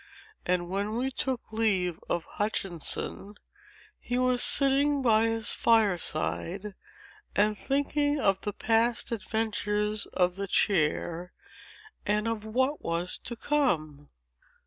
And when we took leave of Hutchinson, he was sitting by his fireside, and thinking of the past adventures of the chair, and of what was to come."